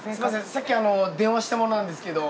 さっき電話した者なんですけど。